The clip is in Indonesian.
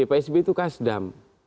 pak s b itu kasdam